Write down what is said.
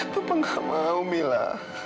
papa gak mau mila